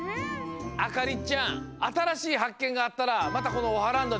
あかりちゃんあたらしいはっけんがあったらまたこのオハランドでおしえてね。